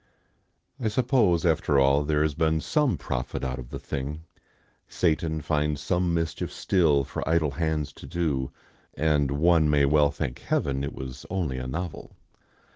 I suppose, after all, there has been some profit out of the thing. Satan finds some mischief still for idle hands to do, and one may well thank Heaven it was only a novel.